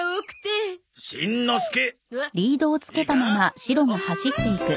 おいしんのすけ！